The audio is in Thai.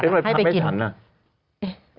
ทำไมทำไม่ฉัน